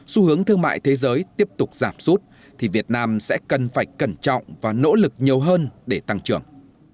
xu hướng thương mại thế giới tiếp tục giảm sút thì việt nam sẽ cần phải cẩn trọng và nỗ lực nhiều hơn để tăng trưởng